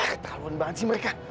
ketahuan banget sih mereka